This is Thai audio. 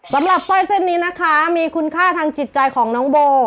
สำหรับสร้อยเส้นนี้นะคะมีคุณค่าทางจิตใจของน้องโบ